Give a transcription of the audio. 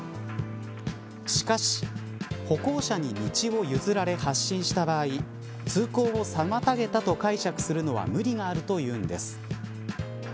しかし、歩行者に道を譲られ発進した場合通行を妨げたと解釈するのは無理があるというんです。